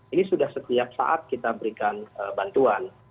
ini sudah setiap saat kita berikan bantuan